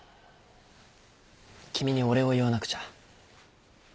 君にお礼を言わなくちゃ。